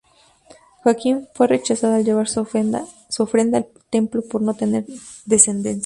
Joaquín fue rechazado al llevar su ofrenda al templo por no tener descendencia.